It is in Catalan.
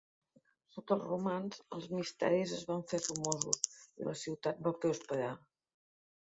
Sota els romans, els misteris es van fer famosos i la ciutat va prosperar.